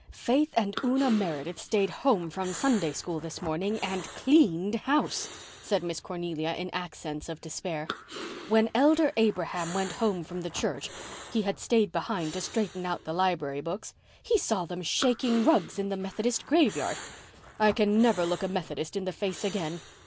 "Faith and Una Meredith stayed home from Sunday School this morning and cleaned house," said Miss Cornelia, in accents of despair. "When Elder Abraham went home from the church—he had stayed behind to straighten out the library books—he saw them shaking rugs in the Methodist graveyard. I can never look a Methodist in the face again.